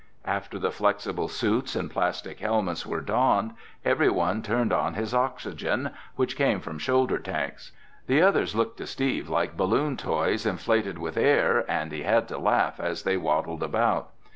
After the flexible suits and plastic helmets were donned, everyone turned on his oxygen, which came from shoulder tanks. The others looked to Steve like balloon toys inflated with air and he had to laugh as they waddled about.